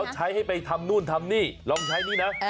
ใช้ให้ไปทำนู่นทำนี่ลองใช้นี่นะ